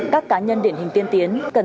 các cá nhân điển hình tiên tiến